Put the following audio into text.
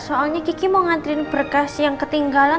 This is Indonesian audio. soalnya kiki mau ngantriin berkas yang ketinggalan